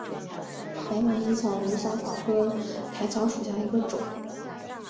白马薹草为莎草科薹草属下的一个种。